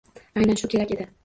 Aynan shu kerak edi!